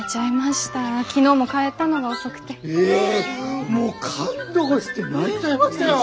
えもう感動して泣いちゃいましたよぉ！